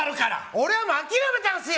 俺はもう諦めたんすよ！